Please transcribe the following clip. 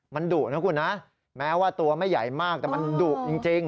มันดุนะคุณนะแม้ว่าตัวไม่ใหญ่มากแต่มันดุจริง